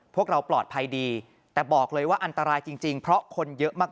พวกเราปลอดภัยดีแต่บอกเลยว่าอันตรายจริงเพราะคนเยอะมาก